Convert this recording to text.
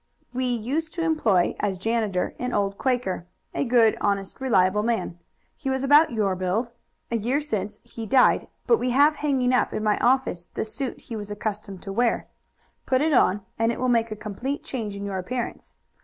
We used to employ as janitor an old Quaker a good, honest, reliable man. He was about your build. A year since he died, but we have hanging up in my office the suit he was accustomed to wear. Put it on, and it will make a complete change in your appearance.